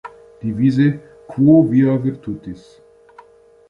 Devise: "Quo via virtutis".